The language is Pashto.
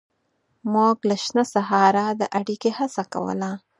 موږ له شنه سهاره د اړیکې هڅه کوله.